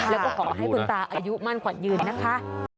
แล้วก็ขอให้คุณตาอายุมั่นขวัญยืนนะคะ